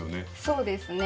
そうですね。